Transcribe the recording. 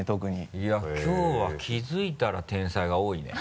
いやきょうは気づいたら天才が多いね。